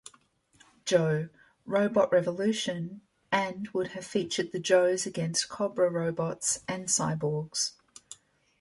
Joe: Robot Revolution, and would have featured the Joes against Cobra robots and cyborgs.